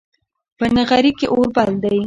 په نغري کې اور بل دی